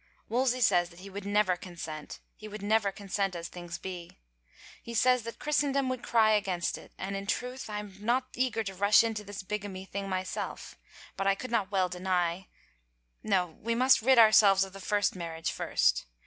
" Wolsey says that he would never consent — he would never consent as things be. He says that Chris tendom would cry against it — and in truth I am not so eager to rush into this bigamy thing myself, but I could not well deny — no, we must rid ourselves of the first marriage first.